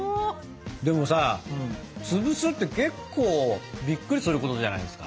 でもさつぶすって結構びっくりすることじゃないですか。